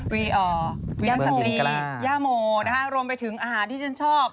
วีรสตรีย่าโมนะคะรวมไปถึงอาหารที่ฉันชอบ